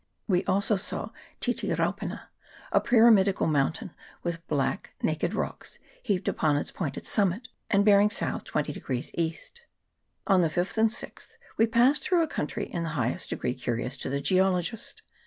We also saw Titiraupena, a py ramidical mountain, with naked black rocks heaped upon its pointed summit, and bearing S. 20 E. On the 5th and 6th we passed through a coun try in the highest degree curious to the geologist.